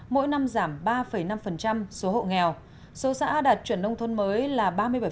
mỗi năm giảm ba năm số hộ nghèo số xã đạt chuẩn nông thôn mới là ba mươi bảy